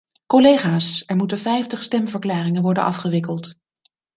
Collega's, er moeten vijftig stemverklaringen worden afgewikkeld.